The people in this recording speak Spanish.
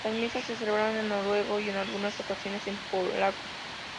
Las misas se celebran en noruego, y en algunas ocasiones en polaco.